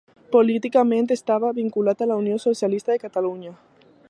Políticament estava vinculat a la Unió Socialista de Catalunya.